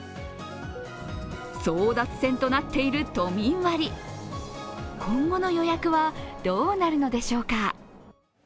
争奪戦となっている都民割今後の予約はどうなるのでしょうか。